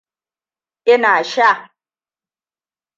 Ina sha.